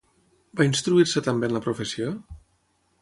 Va instruir-se també en la professió?